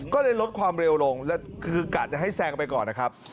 ก็เลยลดความเร็วลงแล้วคือกะจะให้แซงไปก่อนนะครับ